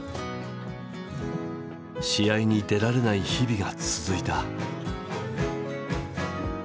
試合に出られない日々が続いた。